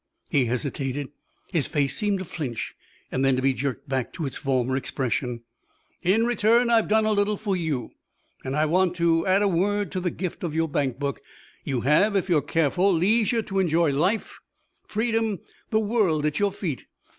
He hesitated; his face seemed to flinch and then to be jerked back to its former expression. "In return I've done a little for you. And I want to add a word to the gift of your bank book. You have, if you're careful, leisure to enjoy life, freedom, the world at your feet.